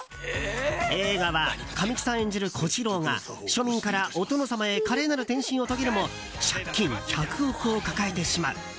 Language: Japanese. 映画は神木さん演じる小四郎が庶民からお殿様へ華麗なる転身を遂げるも借金１００億を抱えてしまう。